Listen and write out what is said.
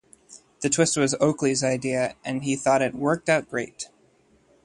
The twist was Oakley's idea and he thought it "worked out great".